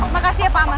makasih ya pak amar